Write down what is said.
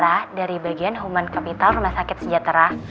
saya farah dari bagian human capital rumah sakit sejahtera